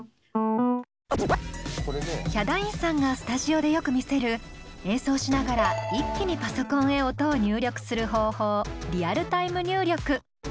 ヒャダインさんがスタジオでよく見せる演奏しながら一気にパソコンへ音を入力する方法リアルタイム入力。